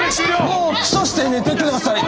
もうクソして寝てください。